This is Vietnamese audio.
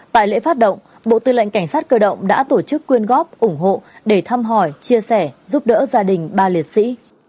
tại lễ phát động bộ tư lệnh cảnh sát cơ động đã tổ chức quyên góp ủng hộ để thăm hỏi chia sẻ giúp đỡ gia đình ba liệt sĩ